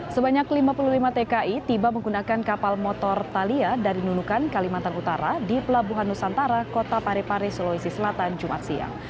sebanyak lima puluh lima tki tiba menggunakan kapal motor thalia dari nunukan kalimantan utara di pelabuhan nusantara kota parepare sulawesi selatan jumat siang